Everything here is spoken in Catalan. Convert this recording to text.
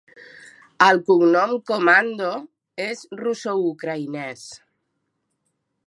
El cognom "Komando" és russoucraïnès.